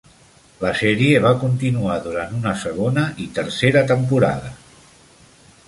La sèrie va continuar durant una segona i tercera temporada.